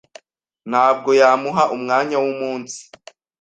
Ntabwo yamuha umwanya wumunsi.